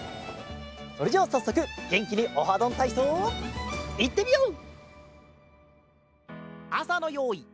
それじゃさっそくげんきに「オハどんたいそう」いってみよう！